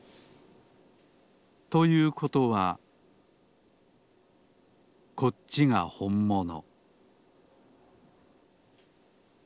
ということはこっちがほんもの